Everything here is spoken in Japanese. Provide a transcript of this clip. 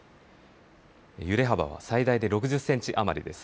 揺れ幅は最大で６０センチ余りです。